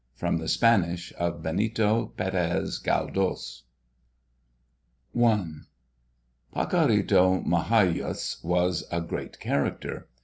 From the Spanish of BENITO PÉREZ GALDÓS. I. Pacorrito Migajas was a great character.